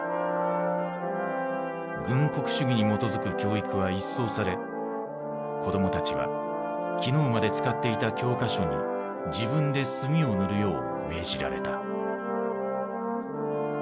軍国主義に基づく教育は一掃され子供たちは昨日まで使っていた教科書に自分で墨を塗るよう命じられた。